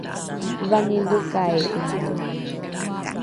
vanidhokai ’ina?